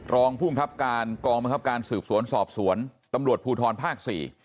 รองภูมิครับการกองบังคับการสืบสวนสอบสวนตำรวจภูทรภาค๔